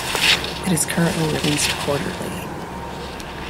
It is currently released quarterly.